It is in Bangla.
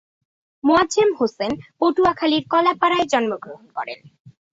মোয়াজ্জেম হোসেন পটুয়াখালীর কলাপাড়ায় জন্মগ্রহণ করেন।